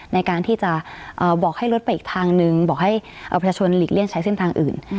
ในการที่จะบอกให้รถไปอีกทางนึงบอกให้เอาประชาชนหลีกเลี่ยงใช้เส้นทางอื่น